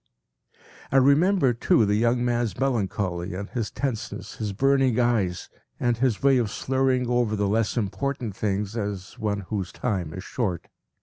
” I remembered, too, the young man’s melancholy and his tenseness, his burning eyes, and his way of slurring over the less important things, as one whose time is short.